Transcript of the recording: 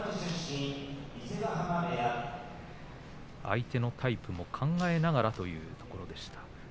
相手のタイプも考えながらというところでした。